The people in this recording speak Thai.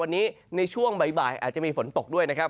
วันนี้ในช่วงบ่ายอาจจะมีฝนตกด้วยนะครับ